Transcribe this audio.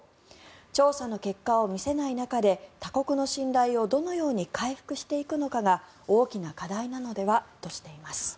調査の結果を見せない中で他国の信頼をどのように回復していくのかが大きな課題なのではとしています。